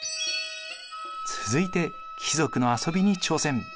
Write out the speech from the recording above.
続いて貴族の遊びに挑戦。